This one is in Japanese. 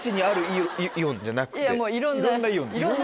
いろんなイオンです。